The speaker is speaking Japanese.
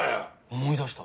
思い出した。